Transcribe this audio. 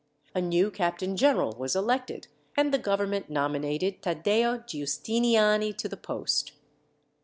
A new captain general was elected, and the government nominated Taddeo Giustiniani to the post.